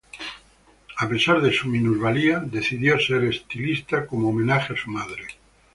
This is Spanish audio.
A pesar de su minusvalía, decidió ser estilista, como homenaje a su madre.